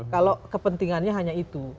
kalau kepentingannya hanya itu